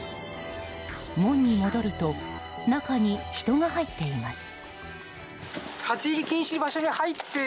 門に戻ると中に人が入っています。